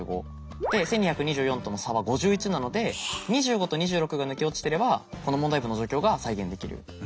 で１，２２４との差は５１なので２５と２６が抜け落ちてればこの問題文の状況が再現できる。